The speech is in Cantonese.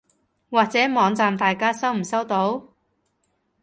或者網站大家收唔收到？